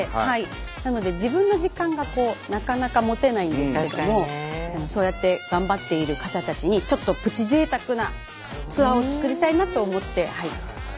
なので自分の時間がなかなか持てないんですけれどもそうやってがんばっている方たちにちょっとプチ贅沢なツアーを作りたいなと思ってがんばらせていただきました。